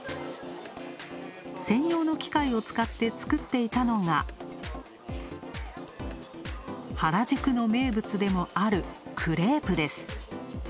専用の機械を使って作っていたのが原宿の名物でもあるクレープです。